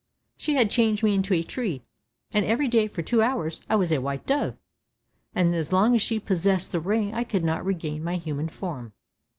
She had changed me into a tree, and every day for two hours I was a white dove, and so long as she possessed the ring I could not regain my human form."